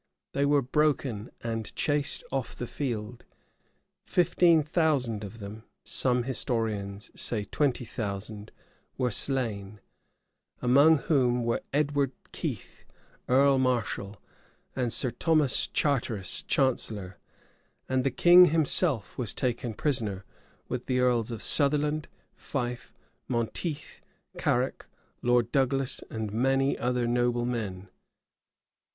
They were broken and chased off the field: fifteen thousand of them (some historians say twenty thousand) were slain; among whom were Edward Keith, earl mareschal, and Sir Thomas Charteris, chancellor: and the king himself was taken prisoner, with the earls of Sutherland, Fife, Monteith, Carrick, Lord Douglas, and many other noblemen.